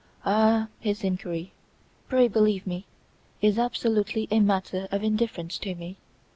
"Ah! his inquiry, pray believe me, is absolutely a matter of indifference to me.